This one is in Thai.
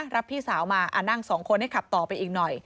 รับพี่สาวมานั่งสองคนให้ขับต่อไปอีกหน่อย